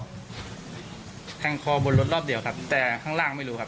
แทงคอบนรถรอบเดียวครับแต่ข้างล่างไม่รู้ครับ